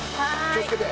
気をつけて。